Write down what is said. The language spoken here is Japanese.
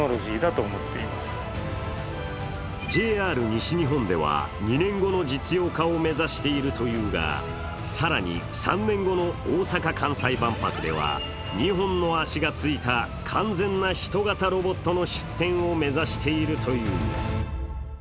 ＪＲ西日本では、２年後の実用化を目指しているというが、更に３年後の大阪・関西万博では２本の足がついた完全なヒト型ロボットの出展を目指しているという。